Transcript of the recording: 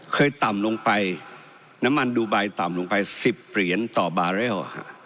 เคยต่ำลงไปน้ำมันดูไบต่ำลงไป๑๐เหรียญต่อบาเรล